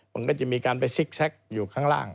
มันก็จะมีการไปซิกแซคอยู่ข้างล่าง